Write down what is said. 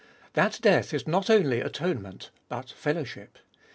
That death is not only atonement but fellow ship.